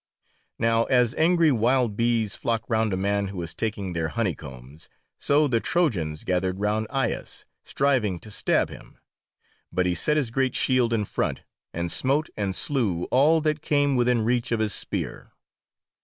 Now as angry wild bees flock round a man who is taking their honeycombs, so the Trojans gathered round Aias, striving to stab him, but he set his great shield in front, and smote and slew all that came within reach of his spear.